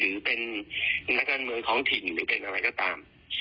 หรือเป็นนักการเมืองท้องถิ่นหรือเป็นอะไรก็ตาม